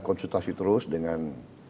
konsultasi terus dengan